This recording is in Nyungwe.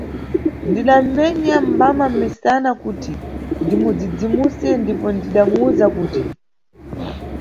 Ndidamʼmenya mbama mʼmisana, kuti ndimudzidzimuse ndipo ndidamuwza kuti.